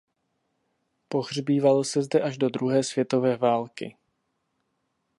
Pohřbívalo se zde až do druhé světové války.